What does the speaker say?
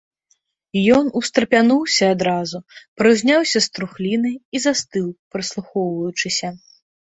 Ён устрапянуўся адразу, прыўзняўся з трухліны і застыў, прыслухоўваючыся.